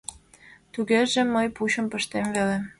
Тугеже мый пучым пыштем веле.